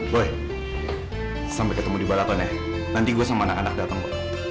boy sampai ketemu di baraton ya nanti gue sama anak anak dateng ke sana ya